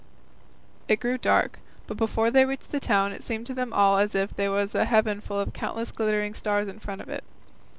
It grew dark; but before they reached the town it seemed to them all as if there was a heaven full of countless glittering stars in front of it.